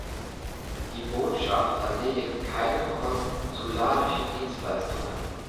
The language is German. Die Botschaft erledigt keine konsularischen Dienstleistungen.